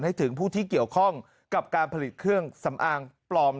ให้ถึงผู้ที่เกี่ยวข้องกับการผลิตเครื่องสำอางปลอม